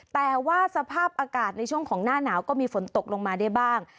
แต่ว่าสภาพอากาศในช่วงของหน้าหนาวก็มีฝนตกลงมาได้บ้าง